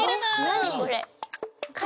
何これ。